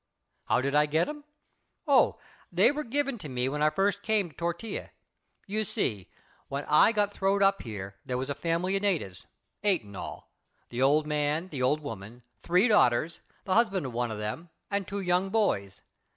"How did I get 'em? Oh, they were given to me when I first came to Tortilla. You see, when I got throwed up here there was a family of natives, eight in all the old man, the old woman, three daughters, the husband of one of them and two young boys.